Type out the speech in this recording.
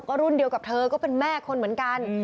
ก็รุ่นเดียวกับเธอก็เป็นแม่คนเหมือนกัน